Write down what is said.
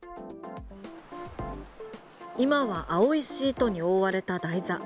今は青いシートに覆われた台座。